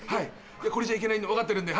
これじゃ行けないんで分かってるんで。